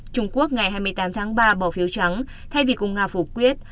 trung quốc ngày hai mươi tám tháng ba bỏ phiếu trắng thay vì cùng nga phủ quyết